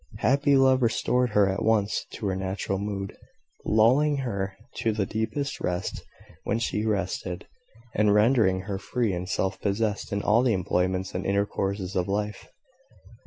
Happy love restored her at once to her natural mood, lulling her to the deepest rest when she rested, and rendering her free and self possessed in all the employments and intercourses of life.